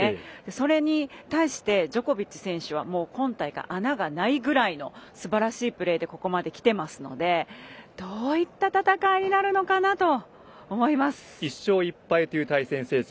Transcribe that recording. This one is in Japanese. それに対してジョコビッチ選手は今大会穴がないぐらいのすばらしいプレーでここまできてますのでどういった戦いになるのかなと１勝１敗という対戦成績。